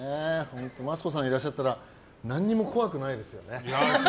マツコさんがいらっしゃったら何にも怖くないですよね。